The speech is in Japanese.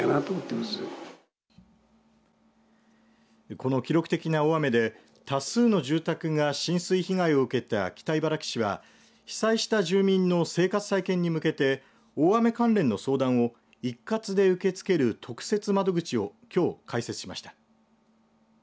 この記録的な大雨で多数の住宅が浸水被害を受けた北茨城市は被災した住民の生活再建に向けて大雨関連の相談を一括で受け付ける特設窓口をきょう開設しました。